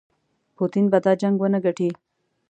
پوټین به دا جنګ ونه ګټي.